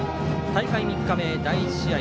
大会３日目、第１試合。